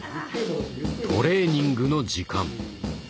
トレーニングの時間。